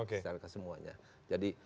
keselakaan semuanya jadi